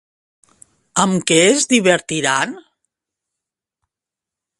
Amb què es divertiran?